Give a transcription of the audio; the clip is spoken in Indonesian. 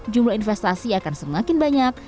jumlah investasi akan semakin banyak